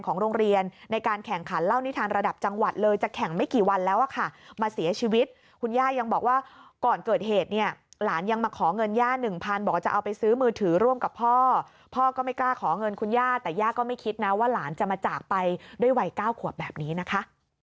โรงเรียนในการแข่งขันเล่านิทานระดับจังหวัดเลยจะแข่งไม่กี่วันแล้วอะค่ะมาเสียชีวิตคุณย่ายังบอกว่าก่อนเกิดเหตุเนี่ยหลานยังมาขอเงินย่าหนึ่งพันบอกจะเอาไปซื้อมือถือร่วมกับพ่อพ่อก็ไม่กล้าขอเงินคุณย่าแต่ย่าก็ไม่คิดนะว่าหลานจะมาจากไปด้วยวัย๙ขวบแบบนี้นะคะ